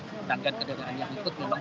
memang tidak terlalu panjang